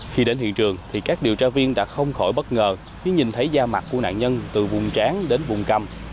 khi đến hiện trường thì các điều tra viên đã không khỏi bất ngờ khi nhìn thấy da mặt của nạn nhân từ vùng tráng đến vùng căm